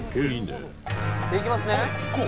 「いきますね。